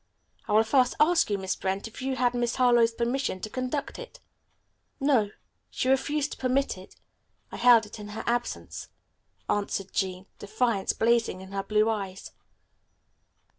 I will first ask you, Miss Brent if you had Miss Harlowe's permission to conduct it?" "No. She refused to permit it. I held it in her absence," answered Jean, defiance blazing in her blue eyes.